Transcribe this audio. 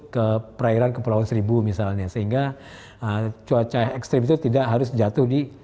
ke perairan ke pulau seribu misalnya sehingga cuaca ekstrim itu tidak harus jatuh